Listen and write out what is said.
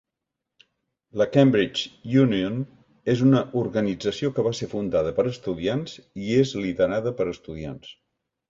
La Cambridge Union és una organització que va ser fundada per estudiants i és liderada per estudiants.